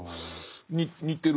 似てる。